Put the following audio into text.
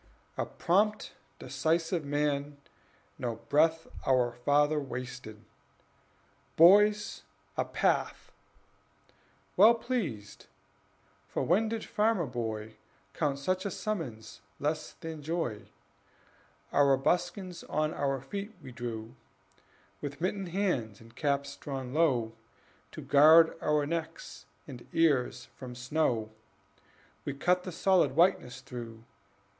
A prompt, decisive man, no breath Our father wasted: "Boys, a path!" Well pleased, (for when did farmer boy Count such a summons less than joy?) Our buskins on our feet we drew; With mittened hands, and caps drawn low, To guard our necks and ears from snow, We cut the solid whiteness through.